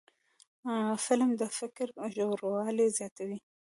فلم د فکر ژوروالی زیاتوي